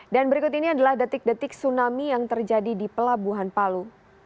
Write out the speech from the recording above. dan berikut ini adalah detik detik tsunami yang terjadi di pelabuhan palu